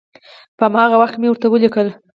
په هماغه وخت کې مې ورته ولیکل.